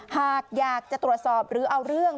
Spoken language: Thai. หากอยากจะตรวจสอบหรือเอาเรื่อง